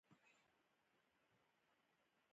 د پېرایټرایکس فلاجیل لرونکو باکتریاوو په نوم یادیږي.